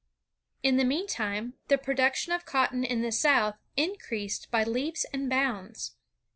In the meantime, the production of cotton in the South increased by leaps and bounds.